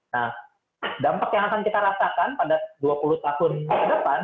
nah dampak yang akan kita rasakan pada dua puluh tahun ke depan